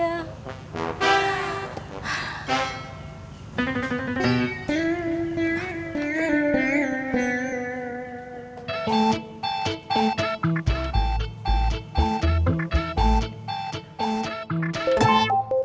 aduh gue gak mau